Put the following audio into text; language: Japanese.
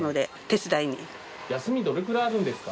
休みどれくらいあるんですか？